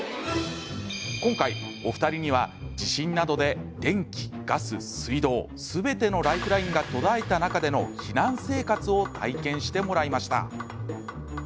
今回、お二人には地震などで電気、ガス、水道、すべてのライフラインが途絶えた中での避難生活を体験してもらいました。